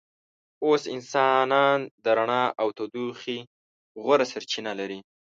اوس انسانان د رڼا او تودوخې غوره سرچینه لري.